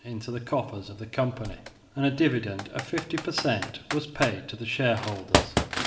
into the coffers of the company, and a dividend of 50 per cent, was paid to the shareholders.